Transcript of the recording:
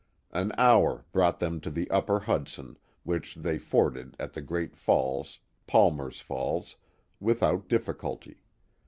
An hour brought them to the upper Hudson, which they forded at the Great Falls (Palmer's Falls) without difficulty.